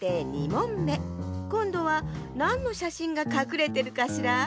２もんめこんどはなんのしゃしんがかくれてるかしら？